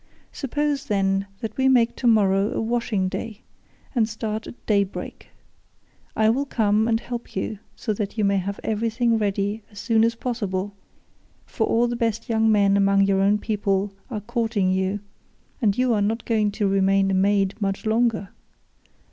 Suppose, then, that we make tomorrow a washing day, and start at daybreak. I will come and help you so that you may have everything ready as soon as possible, for all the best young men among your own people are courting you, and you are not going to remain a maid much longer.